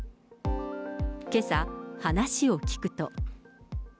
けさ、話を聞くと。